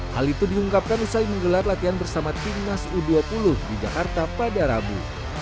hal itu diungkapkan usai menggelar latihan bersama timnas u dua puluh di jakarta pada rabu